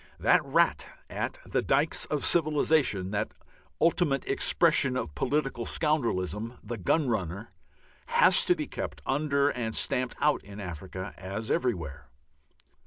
That rat at the dykes of civilization, that ultimate expression of political scoundrelism, the Gun Runner, has to be kept under and stamped out in Africa as everywhere.